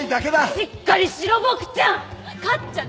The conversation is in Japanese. しっかりしろボクちゃん！